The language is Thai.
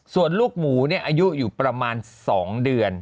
ส่วนลูกหมูอายุอยู่ประมาณ๒เดือน